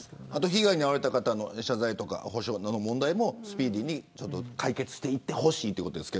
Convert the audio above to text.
被害に遭われた方の謝罪や補償の問題もスピーディーに解決していってほしいです。